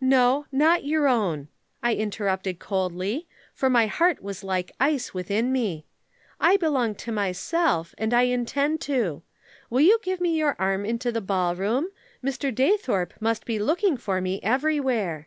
"'No, not your own,' I interrupted coldly, for my heart was like ice within me. 'I belong to myself, and I intend to. Will you give me your arm into the ballroom Mr. Daythorpe must be looking for me everywhere.'